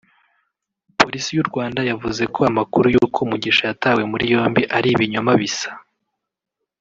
Polisi y’u Rwanda yavuze ko amakuru y’uko Mugisha yatawe muri yombi ari ‘ibinyoma bisa